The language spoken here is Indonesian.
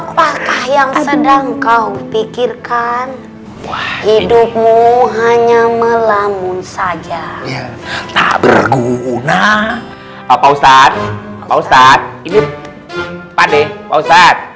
apakah yang sedang kau pikirkan hidupmu hanya melamun saja tak berguna apa ustadz